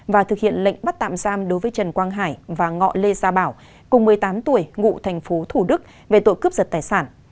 và thực hiện lệnh bắt tạm giam đối với trần quang hải và ngọ lê gia bảo cùng một mươi tám tuổi ngụ thành phố thủ đức về tội cướp giật tài sản